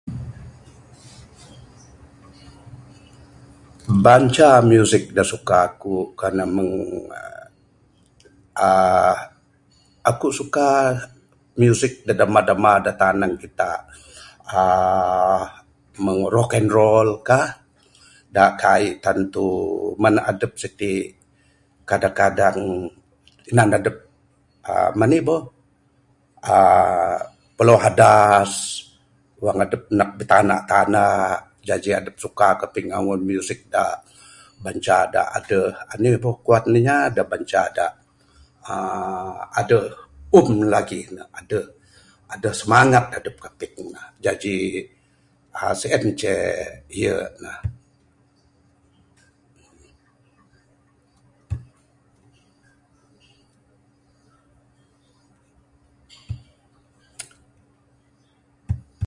Banca musik da suka kuk, kan ne mung uhh uhh, akuk suka musik da damba damba da tanang kitak uhh mung rock and roll kah, da kaik tantu mun adup sitik kadang kadang tinan adup uhh manik boh, uhh piluah adas wang adup nak bitanda tanda. Jaji adup suka kaping angun musik da banca da aduh da anih boh kuan inya, dak banca da uhh aduh ummm lagik ne. Da aduh semangat adup kaping ne. Jaji, sein ceh ye ne.